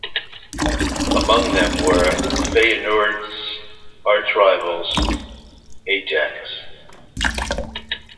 Among them were Feyenoord's archrivals Ajax.